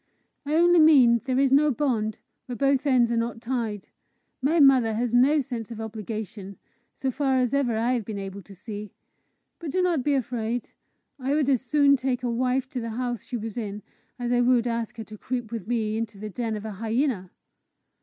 "I only mean there is no bond where both ends are not tied. My mother has no sense of obligation, so far as ever I have been able to see. But do not be afraid: I would as soon take a wife to the house she was in, as I would ask her to creep with me into the den of a hyena."